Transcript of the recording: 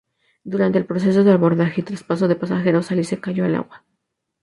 Durante el proceso de abordaje y traspaso de pasajeros, Alice cayó al agua.